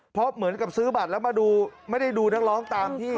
เพราะเหมือนกับซื้อบัตรแล้วมาดูไม่ได้ดูนักร้องตามที่